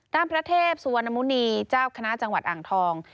ต้านพระเทพสุวรรณมู่นีลิจาวคณะจังหวัดอ่างทอง